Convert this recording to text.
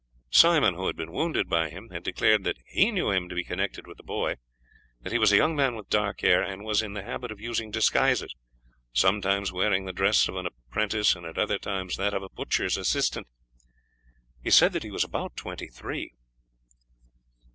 Simon, who had been wounded by him, had declared that he knew him to be connected with the boy; that he was a young man with dark hair, and was in the habit of using disguises, sometimes wearing the dress of an apprentice, and at other times that of a butcher's assistant. He said that he was about twenty three."